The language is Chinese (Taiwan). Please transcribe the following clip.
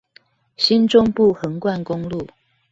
新中部橫貫公路